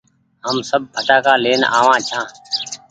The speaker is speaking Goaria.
هم سب ڦٽآ ڪآ لين آ وآن ڇآن